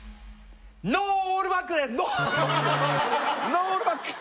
ノーオールバック